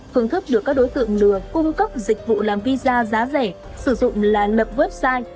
phương thức được các đối tượng lừa cung cấp dịch vụ làm visa giá rẻ sử dụng là lập website